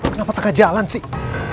kenapa tengah jalan sih